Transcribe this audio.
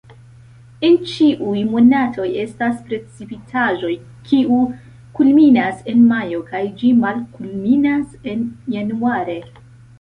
En ĉiuj monatoj estas precipitaĵoj, kiu kulminas en majo kaj ĝi malkulminas en januare.